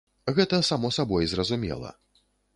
Гэта само сабой зразумела.